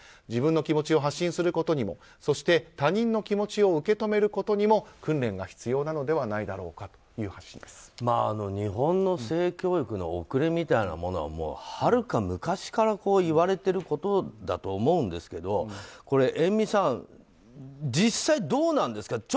自分の気持ちを発信することにもそして他人の気持ちを受け止めることにも訓練が必要なのではないだろうか日本の性教育の遅れみたいなものはもうはるか昔からいわれていることだと思うんですけど遠見さん、実際どうなんですか。